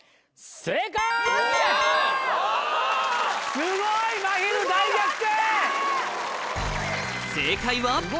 すごいまひる大逆転！